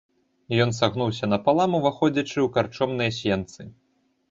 Ён сагнуўся напалам, уваходзячы ў карчомныя сенцы.